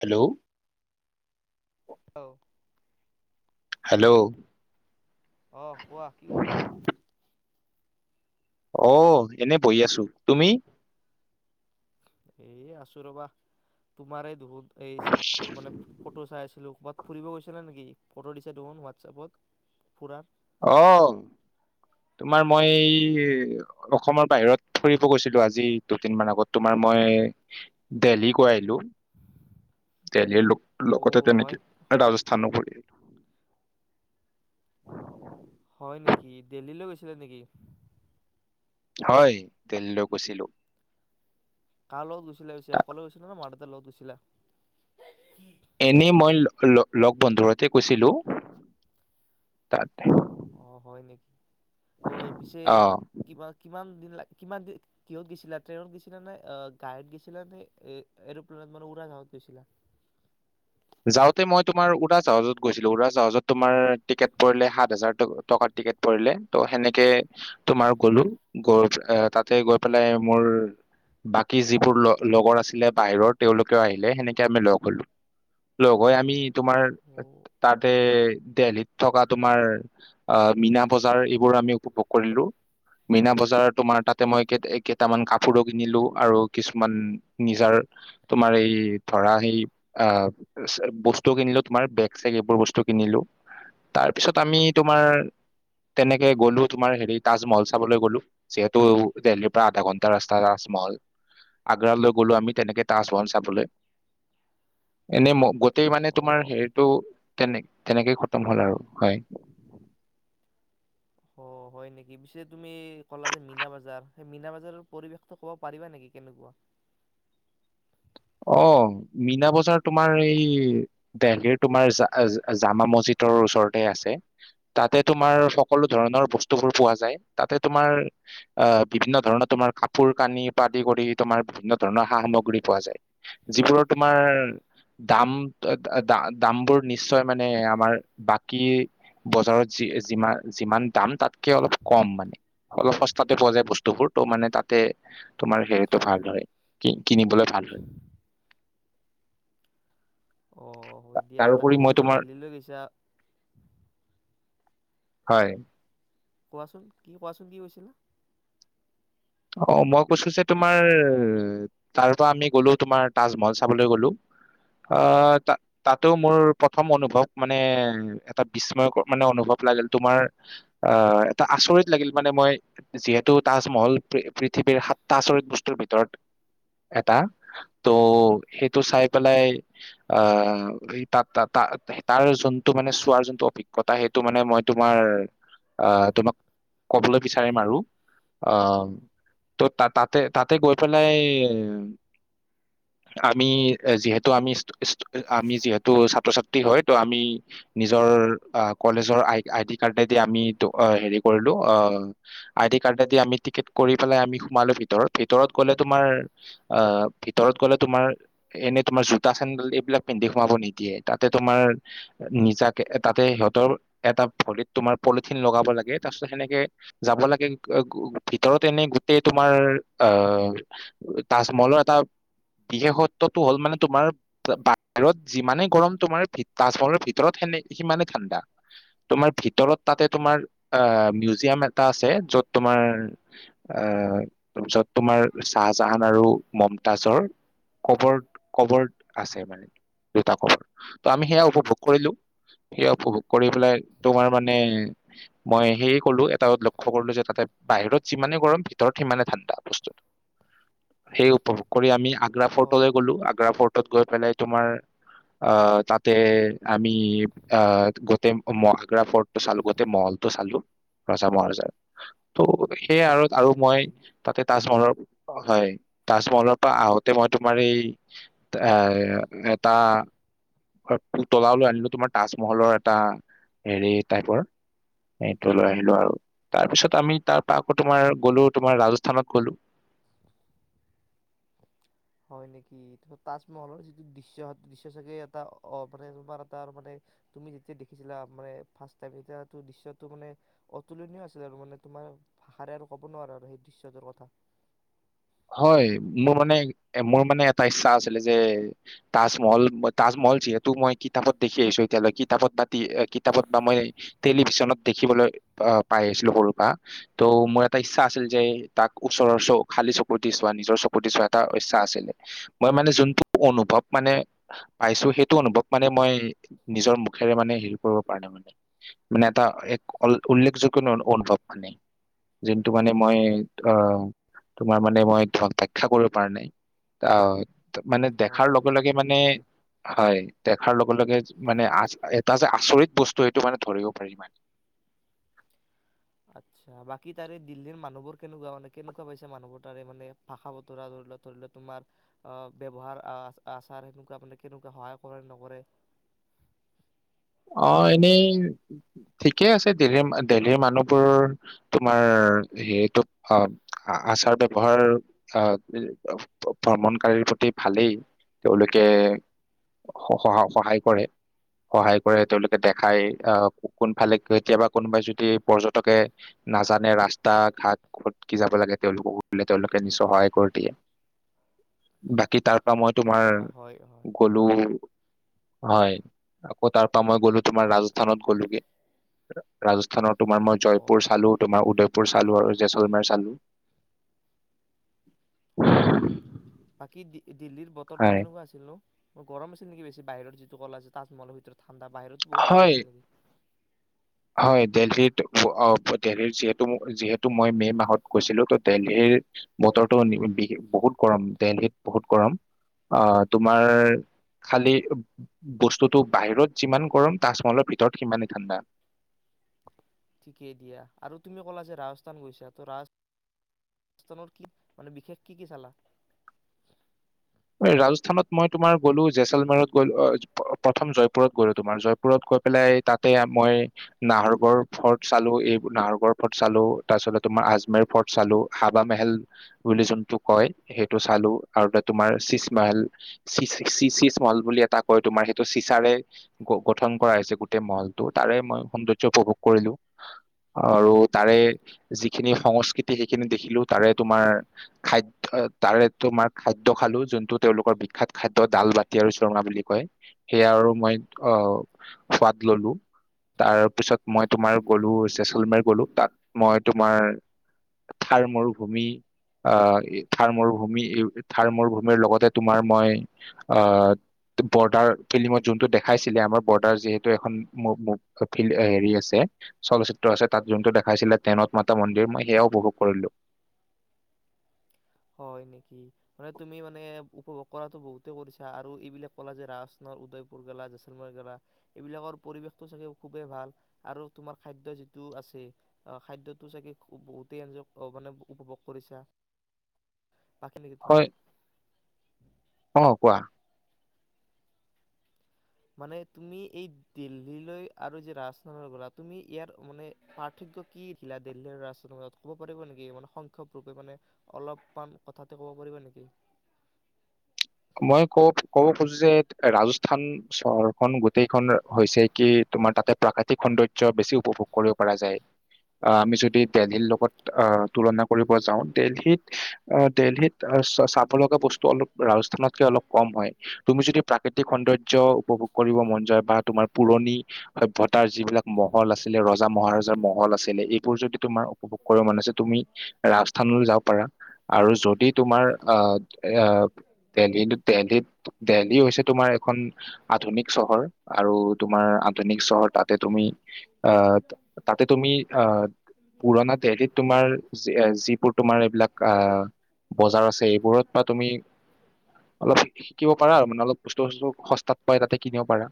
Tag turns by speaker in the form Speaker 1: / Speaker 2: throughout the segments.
Speaker 1: Hello
Speaker 2: hello
Speaker 1: hello
Speaker 2: অঁহ, কোৱা কি কৰি আছা?
Speaker 1: অ' এনেই বহি আছো। তুমি?
Speaker 2: এ আছো ৰ'বা তোমাৰে দোহো এইচ মানে ফটো চাই আছিলোঁ, ক'বাত ফুৰিব গৈছেলা নেকি? ফটো গৈছা দেখোন হোৱাটছআপত ফুৰাৰ।
Speaker 1: অ' তোমাৰ মই এইঅ অসমৰ বাহিৰত ফুৰিব গৈছিলো আজি দুদিন মান আগত। তোমাৰ মই দেলহি গৈ আহিলো। দিলহিৰ লোক
Speaker 2: অ
Speaker 1: লগতে
Speaker 2: হয়
Speaker 1: তেনেকে ৰাজস্থানো গৈ আহি
Speaker 2: হয় নেকি? দেল্লীলৈ গৈছিলে নেকি?
Speaker 1: হয়। দেল্লীলৈ গৈছিলো।
Speaker 2: কাৰ লগত গৈছিলা পিছে?
Speaker 1: তাত
Speaker 2: অকলে গৈছিল নে মা দেউতাৰ লগত গৈছিলা?
Speaker 1: এনেই মই ল ল লগ বন্ধুৰসতে গৈছিলো তাত।
Speaker 2: অঁ হয় নেকি? অ' পিছে
Speaker 1: অ
Speaker 2: কিবা কিমান দিন লাগ কিমান দিন কিহত গৈছিলা, ট্ৰেইনত গৈছিলা নে অ' গাড়ত গৈছিলা নে, এ এৰপ্লেনত মানে উৰা জাহাজত গৈছিলা?
Speaker 1: যাওঁতে মই তোমাৰ উৰা জাহজত গৈছিলো। উৰাজাহাজত তোমাৰ টিকেট পৰিলে সাত হাজাৰ ট টকাৰ টিকেট পৰিলে ত' সেনেকে তোমাৰ গ'লো গৈ এ তাতে গৈ পেলাই মোৰ বাকী যিবোৰ ল লগৰ আছিলে বাহিৰৰ তেওঁলোকেও আহিলে সেনেকে আমি লগ হ'লো। ল'গ হৈ আমি তোমাৰ
Speaker 2: অ
Speaker 1: তাতে দেলহিত থকা তোমাৰ আ'হ মিনা বজাৰ এইবোৰ আমি উপভোগ কৰিলো। মিনা বজাৰৰ তোমাৰ তাতে মই কেট কেইটামান কাপোৰো কিনিলো আৰু কিছুমান নিজাৰ তোমাৰ এই থৰাহিপ আহ এতে বস্তু কিনিলো তোমাৰ বেগ চেগ এইবোৰ বস্তু কিনিলো। তাৰ পিছত আমি তোমাৰ তেনেকে গ'লো তোমাৰ হেৰি তাজমহল চাবলৈ গ'লো যিহেতু দেল্লহীৰ পৰা আধা ঘণ্টা ৰাস্তা তাজমহল। আগ্ৰালৈ গ'লো আমি তেনেকে তাজমহল চাবলৈ। এনেই ম গোটই মানে তোমাৰ
Speaker 2: অ
Speaker 1: হেৰিটো তেনে তেনেকেই খতম হ'ল আৰু হয়।
Speaker 2: অ, হয় নেকি? পিছে তুমি ক'লা যে মিনা বজাৰ, সেই মিনা বাজাৰৰ পৰিৱেশটো ক'ব পাৰিবা নেকি কেনেকুৱা?
Speaker 1: অ', মীনা বজাৰ তোমাৰ এই দেল্হিৰ তোমাৰ জ-জামা মছজিদৰ ওচৰতে আছে। তাতে তোমাৰ সকলো ধৰণৰ বস্তুবোৰ পোৱা যায়, তাতে তোমাৰ আহ বিভিন্ন ধৰণৰ তোমাৰ কাপোৰ কানি পা আদি কৰি তোমাৰ বিভিন্ন ধৰণৰ সা সামগ্ৰী পোৱা যায়। যিবোৰৰ তোমাৰ দাম দ-দামবোৰ নিশ্চয় মানে আমাৰ বাকী বজাৰত যি-যি-যিমান দাম তাতকে অলপ কম মানে। অলপ সস্তাতে পোৱা যায় বস্তুবোৰ ত' মানে তাতে তোমাৰ হেৰিটো ভাল হয়, কিনিবলৈ ভাল হয়।
Speaker 2: অ', হয় দিয়া তাকে
Speaker 1: তাৰোপৰি মই
Speaker 2: তুমিতো
Speaker 1: তোমাৰ
Speaker 2: দিল্লী লৈ গৈছা?
Speaker 1: হয়।
Speaker 2: কোৱাচোন কি কোৱাচোন কি কৈছিলা?
Speaker 1: অ', মই কৈছো যে তোমাৰ তাৰ পৰা আমি গ'লো তোমাৰ তাজমহল চাবলৈ গ'লো আহ, তা তাতো মোৰ প্ৰথম অনুভৱ মানে এটা বিস্ময়কৰ মানে অনুভৱ লাগিল তোমাৰ আহ, এটা আচৰিত লাগিল মানে মই যিহেতু তাজমহল পৃথিৱীৰ সাতটা আচৰিত বস্তুৰ ভিতৰত এটা। ত' সেইটো চাই পেলাই আহ, তাত ত-তাৰ যোনটো মানে চোৱাৰ যোনটো অভিজ্ঞতা। ত সেইটো মানে মই তোমাৰ আহ, তোমাক কবলৈ বিচাৰিম আৰু। অ'। ত' তাতে তাতে গৈ পেলাই। আমি যিহেতু আমি আমি যিহেতু ছাত্ৰ-ছাত্ৰী হয়, তো আমি নিজৰ কলেজৰ আ-আইডি কাৰ্ডে দি আমি হেৰি কৰিলো আহ আই ডি কাৰ্ড দি আমি টিকেট কৰি পেলাই আমি সোমালো ভিতৰত ভিতৰত গ'লে তোমাৰ আহ ভিতৰত গ'লে তোমাৰ এনেই তোমাৰ জোতা-চেণ্ডেল এইবিলাক পিন্ধি সোমাব নিদিয়ে তাতে তোমাৰ নিজাকে তাতে সিহঁতৰ এটা ভৰিত তোমাৰ পলিথিন লগাব লাগে তাৰ পিছত সেনেকে যাব লাগে ভিতৰত এনে গোটেই তোমাৰ আহ, তাজমহলৰ এটা বিশেষত্বটো হ'ল মানে তোমাৰ বাহিৰত যিমানেই গৰম তোমাৰ তাজমলৰ ভিতৰত সেনে সিমানে ঠাণ্ডা। তোমাৰ ভিতৰত তাতে তোমাৰ আহ মিউজিয়াম এটা আছে য'ত তোমাৰ আহ য'ত তোমাৰ চাহজাহান আৰু মমতাজৰ কবৰ কবৰড আছে মানে দুটা কবৰ ত' আমি সেয়া উপভোগ কৰিলো। সেইয়া উপভোগ কৰি পেলাই তোমাৰ মানে মই সেয়ে ক'লো এটাত লক্ষ্য কৰিলো যে তাতে বাহিৰত যিমানে গৰম ভিতৰত সিমানে ঠাণ্ডা বস্তুটো, সেই উপভোগ কৰি আমি আগ্ৰা
Speaker 2: অ
Speaker 1: ফৰ্টলৈ গ'লো
Speaker 2: অ
Speaker 1: আগ্ৰা ফৰ্টত গৈ পেলাই তোমাৰ আহ তাতে আমি আহ, গোটেই আগ্ৰা ফৰ্ট চালো গোটেই মহলটো চালো ৰজা মহাৰাজাৰ ত' সেইয়াই আৰু আৰু
Speaker 2: হয়
Speaker 1: মই
Speaker 2: নেকি
Speaker 1: তাতে তাজমহলৰ হয়, তাজমহলৰ পৰা আহোতে মই তোমাৰ এই এ এটা হয়, পুতলাও লৈ আনিলো তোমাৰ তাজমহলৰ এটা হেৰি টাইপৰ। সেইটো লৈ আহিলো আৰু। তাৰ পিছত আমি তাৰ পৰা আকৌ
Speaker 2: অ
Speaker 1: তোমাৰ গলো তোমাৰ ৰাজস্থানত গলো।
Speaker 2: [inaudible] হয় নেকি? ত তাজমহলৰ যিটো দৃশ্য দৃশ্য চাগে এটা অ [unintelligible] মানে তোমাৰ এটা মানে তুমি যেতিয়া দেখিছিলা মানে ফাৰ্ষ্ট টাইম, এটিয়াটো দৃশ্যটো মানে অতুলনীয় আছিল আৰু মানে তোমাৰ ভাষাৰে আৰু ক'ব নোৱাৰা আৰু সেই দৃশ্যটোৰ কথা।
Speaker 1: হয় মোৰ মানে, মোৰ মানে এটা ইচ্ছা আছিলে যে তাজমহল, তাজমহল যিহেতু মই কিতাপত দেখি আহিছোঁ এতিয়ালৈকে। কিতাপত বাতি কিতাপত বা মই টেলিভিচনত দেখিবলৈ আহ পাই আহিছিলো সৰু পা। ত' মোৰ এটা ইচ্ছা আছিল যে, তাক ওচৰৰ খালী চ কু দি চোৱা, নিজৰ চকুদি চোৱা এটা ইচ্ছা আছিলে। মই মানে যোনটো অনুভৱ মানে পাইছো, সেইটো অনুভৱ মানে মই নিজৰ মুখেৰে মানে হেৰি কৰিব পৰা নাই মানে। মানে এটা এক উল্লেখযোগ্য অনুভৱ মানে। যিহেটো মানে মই অহ তোমাৰ মানে মই ধৰক ব্যখ্যা কৰিব পৰা নাই। আহ মানে
Speaker 2: হয়
Speaker 1: দেখাৰ লগে লগে মানে হয়। দেখাৰ লগে লগে মানে আ এটা যে আচৰিত বস্তু সেইটো মানে ধৰিব পাৰি ইমান।
Speaker 2: আচ্ছা। বাকী তাৰে দিল্লীৰ মানুহবোৰ কেনেকুৱা মানে কেনেকুৱা পাইছে মানুহবোৰ তাৰে মানে ভাষা বতৰা ধৰিল ধৰি লোৱা তোমাৰ আহ ব্যৱহাৰ আহ আচাৰ সেনেকুৱা মানে কেনেকুৱে সহায় কৰে নকৰে?
Speaker 1: অ এনেই ঠিকেই আছে দেল্হীৰ দেল্হীৰ মানুহবোৰ। তোমাৰ সেইটো অ আচাৰ ব্যৱহাৰ, আহ ভ্ৰমণকাৰীৰ প্ৰতি ভালেই তেওঁলোকে সহ সহায় কৰে। সহায় কৰে তেওঁলোকে দেখাই, আহ কোনফালে কেতিয়াবা কোনোবাই যদি পৰ্যটকে নাজানে ৰাস্তা ঘাট, ক'ত কি যাব লাগে তেওঁলোকক সুধিলে তেওঁলোকে নিচয় সহায় কৰি দিয়ে। বাকী তাৰ মই তোমাৰ
Speaker 2: আহ, হয় হয়
Speaker 1: গলো হয়। আকৌ তাৰ পৰা মই গ'লো তোমাৰ ৰাজস্থানত গলোগে। ৰাজস্থানৰ তোমাৰ মই
Speaker 2: অ
Speaker 1: জয়পুৰ চালো। তোমাৰ উদয়পুৰ চালো আৰু জেচলমাৰী চালো।
Speaker 2: হয় নেকি, বাকী দিল্লীৰ বতৰটো
Speaker 1: হয়
Speaker 2: কেনেকুৱা আছিল? ছিলো। গৰম আছিল নেকি বেছি বাহিৰত যিটো কলা যে তাত ভিতৰত ঠাণ্ডা বাহিৰত বহুত গৰম
Speaker 1: হয়
Speaker 2: আছিলে নেকি?
Speaker 1: হয় দেল্হীত, অ দেল্হীত যিহেতু যিহেতু মই মে মাহত গৈছিলো। ত দেল্হীৰ বতৰতো বহুত গৰম দেল্হীত। বহুত গৰম। আহ তোমাৰ খালি বস্তুতটো বাহিৰত যিমান গৰম, তাজমহলৰ ভিতৰত সিমানেই ঠাণ্ডা।
Speaker 2: ঠিকেইে দিয়া। আৰু তুমি ক'লা যে ৰাজস্থান গৈছা, ত ৰাজ স্হানত কি মানে বিশেষ কি কি চালা?
Speaker 1: ৰাজস্থানত মই তোমাৰ গ'লো জেচলমোৰত গলো প্ৰথম জয়পুৰত গ'লো তোমাৰ জয় পুৰত গৈ পেলাই তাতে মই নাহৰগড় ফৰ্ট চালো, এই নাহৰগডৰ ফৰ্ট চালো, তাৰপছতে তোমাৰ আজমেৰ ফৰ্ট চালো। হাবা মেহেল বুলি যোনটো কয়, সেইটো চালো আৰু ত তোমাৰ চীজমল, চী চী চীজ মহল বুলি এটা কয় তোমাৰ সেইটো চিচাৰে গ, গঠন কৰা হৈছে গোটেই মহলটো। তাৰে মই সৌন্দৰ্য উপভোগ কৰিলো। আৰু তাৰে যিখিনি সংস্কৃতি সেইখিনি দেখিলো তাৰে তোমাৰ খাদ্য তাৰে তোমাৰ খাদ্য দ্য খালো যোনটো তেওঁলোকৰ বিখ্যাত খাদ্য ডাল, বাতি আৰু চৰঙা বুলি কয়। সেয়া আৰু মই আহ সোৱাদ ললো। তাৰ পিছত মই তোমাৰ গলো চেচলমাৰ গলো। তাত মই তোমাৰ থাৰ মৰুভূমি আহ, থাৰ মৰুভূমি এই থাৰ মোৰভূমিৰ লগতে তোমাৰ মই আহ বৰ্ডাৰ ফিল্মত যোনটো দেখাইছিলে, আমাৰ বৰ্ডাৰ যিহেতু এখন ফিল হেৰি আছে। চলচ্চিত্ৰ আছে, তাত যোনটো দেখাইছিলে তেনত মাতা মন্দিৰ মই সেয়াও উপভোগ কৰিলো।
Speaker 2: হয়, নেকি। মানে তুমি মানে উপভোগ কৰাতটো বহুতেই কৰিছা আৰু এইবিলাক কলা যে ৰাণৰ উদয়। জয়ছেলমাৰ গলা এইবিলাকৰ পৰিৱেশটো চাগে খুবেই ভাল আৰু তোমাৰ খাদ্য যিটো আছে। খাদ্যতো চাগে বহুতেই আজ মানে উপভোগ কৰিছা। তাকে নেকি তোমাক
Speaker 1: হয় অ, কোৱা।
Speaker 2: মানে তুমি এই দিল্লীলৈ আৰু যে, ৰাজস্থানলৈ গ'লা তুমি ইয়াৰ মানে পাৰ্থক্য কি দিলা দিল্লীৰ ৰাজপুতৰ মাজত ক'ব পাৰিব নেকি মানে সংখ্যক ৰূপে মানে অলপমান কথাটো ক'ব পাৰিবা নেকি।
Speaker 1: মই ক, ক'ব খুজো যে ৰাজস্থান চহৰখন গোটেইখন হৈছে কি তোমাৰ তাতে প্ৰাকৃতিক সৌন্দৰ্য বেছি উপভোগ কৰিব পৰা যায়। আহ, আমি যদি দিল্লীৰ লগত আহ তুলনা কৰিব যাওঁ, দিল্লীত অ, দিল্লী চাব লগা বস্তু অলপ ৰাজ অলপ কম হয়, তুমি যদি প্ৰাকৃতিক সৌন্দৰ্য উপভোগ কৰিব মন যায় বা তোমাৰ পুৰণি সভ্যতাৰ যিবিলাক মহল আছিলে, ৰজা মহাৰজাৰ মহল আছিলে, এইবোৰ যদি তোমাৰ উপভোগ কৰিব মানে যে, তুমি ৰাজস্থানলৈ যাব পাৰা আৰু যদি দি তোমাৰ আহ এ দিল্লী দিল্লী হৈছে, তোমাৰ এখন আধুনিক চহৰ আৰু তোমাৰ আধুনিক চহৰ তাতে তুমি আহ, তাতে তুমি অ, পুৰণা দিল্লীত তোমাৰ যিবোৰ তোমাৰ এইবিলাক আহ বজাৰ আছে, এইবোৰত বা তুমি অলপ শিকিব পাৰা আৰু মানে অলপ বস্তু, বস্তু সস্তাত পাই। তাতে কিনিব পাৰা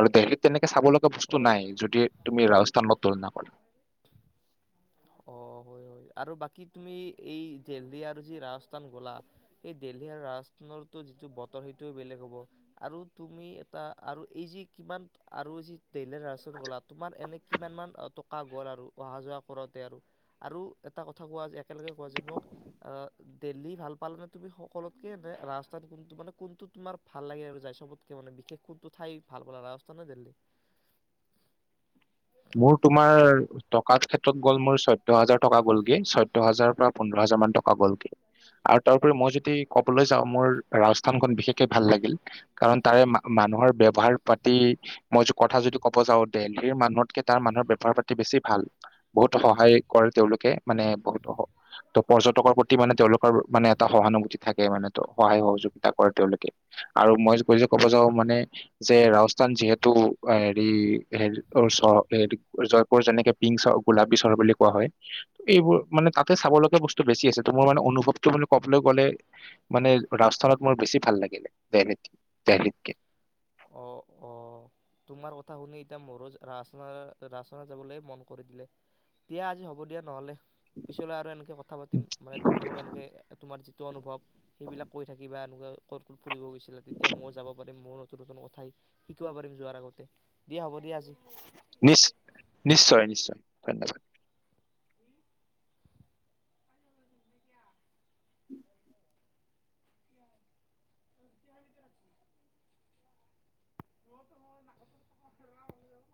Speaker 1: আৰু দিল্লীত। তেনেকে চাব লগা বস্তু
Speaker 2: হয়
Speaker 1: নাই যদি তুমি ৰাজস্থানৰ লগত, তুলনা কৰা
Speaker 2: [inaudible] অ, হয়, হয় আৰু বাকী তুমি এই দিল্লী আৰু যি ৰাজস্থান গ'লা। এই দিল্লী আৰু ৰাজস্থানৰ যিটো বতৰ সেইটো বেলেগ হ'ব। আৰু তুমি এটা আৰু এই যি কিমান আৰু এই যি দিল্লী আৰু ৰাজপুত গ'লা তোমাৰ এনে কিমান মান টকা টকা গ'ল আৰু অহা যোৱা কৰোঁতে আৰু আৰু এটা কথা কোৱা যে একেলগে কোৱা যে মোক অ দিল্লী ভাল পালে নে, তুমি সকলোকে ৰাস্তাত কোনটো মানে কোনটো তোমাৰ ভাল লাগে আৰু যাই চবত কে থাকিবলে বিশেষ কোনটো ঠাই ভাল বোলা ৰাজস্থান না দিল্লী।
Speaker 1: মোৰ তোমাৰ টকা ক্ষেত্ৰত গ'ল মোৰ সত চৈধ্য হাজাৰ টকা গল গে চৈধ্য হাজাৰ পৰা পোন্ধৰ হাজাৰ মান টকা গলগে। আৰু তাৰপৰি মই যদি কবলৈ যাওঁ মোৰ ৰাজস্থানখন বিশেষকে ভাল লাগিল। কাৰণ তাৰে মানুহৰ ব্যৱহাৰ পাতি মই কথা যদি ক'ব যাওঁ দিল্লীৰ মানুহতকে তাৰ মানুহৰ ব্যৱহাৰৰ পাতি বেছি ভাল। বহুত সহায় কৰে তেওঁলোকে মানে বহুত ত পৰ্যটকৰ প্ৰতি মানে তেওঁলোক মানে এটা সহানুভূতি থাকে মানে টো সহায় সহযোগিতা কৰে তেওঁলোকে আৰু মই কই যে ক'ব যাওঁ মানে যে ৰাজস্থান যিহেতু হেৰি হেচ ওচৰত এইটো জয়পুৰ যেনেকে পিংক চহৰ গোলাবী চহৰ বুলি কোৱা হয়। এইবোৰ মানে তাতে চাব লগীয়া বস্তু বেছি আছে তো মোৰ মানে অনুভৱটো মানে কবলৈ গ'লে মানে ৰাজস্থানত মোৰ বেছি ভাল লাগিলে দেহলিত দেহলীতকে
Speaker 2: অ অ তোমাৰ কথা শুনি এতিয়া মোৰো ৰাজস্থা ৰাজস্থান যাবলে মন কৰি দিলে দিয়া আজি হ'ব দিয়া নহ'লে। পিছলৈ আৰু এনেকে কথা পাতিম মানে তুমি মোক এনেকে তোমাৰ যিটো অনুভৱ সেইবিলাক কৈ থাকিবা এনেকোৱা ক'ত ক'ত ফুৰিব গৈছিলা তেতিয়া মই যাব পাৰিম মোৰ নতুন নতুন কথাই শিকিব পাৰিম যোৱাৰ আগতে দিয়া হ'ব দিয়া আজি
Speaker 1: নিশ নিশ্চয় নিশ্চয় ধন্যবাদ
Speaker 2: [unintelligible] তহঁত মই ন খেলনা হৈ যাব